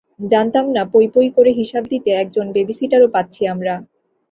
জানতাম না পইপই করে হিসেব দিতে একজন বেবিসিটারও পাচ্ছি আমরা।